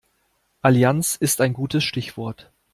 Allianz ist ein gutes Stichwort.